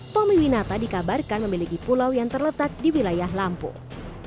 tommy winata dikabarkan memiliki pulau yang terletak di wilayah lampung